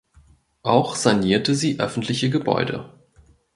Auch sanierte sie öffentliche Gebäude.